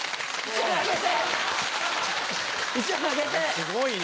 すごいな。